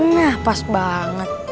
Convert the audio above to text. nah pas banget